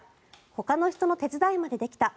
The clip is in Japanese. ほかの人の手伝いまでできた！